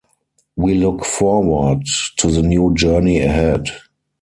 We look forward to the new journey ahead.